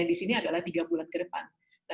di sini adalah tiga bulan ke depan